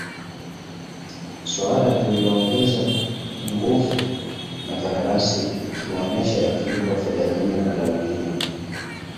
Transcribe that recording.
suala lililoongezwa nguvu na kandarasi ikimuonesha akilipwa fedha nyingi na klabu hiyo